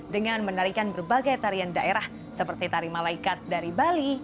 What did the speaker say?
dengan menarikan berbagai tarian daerah seperti tari malaikat dari bali